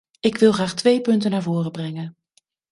Ik wil graag twee punten naar voren brengen.